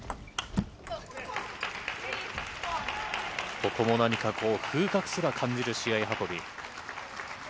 ここも何かこう、風格すら感じる試合運び。